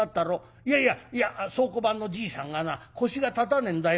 いやいやいや倉庫番のじいさんがな腰が立たねえんだよ。